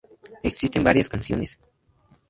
Existen varias canciones.